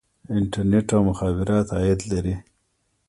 انټرنیټ او مخابرات عاید لري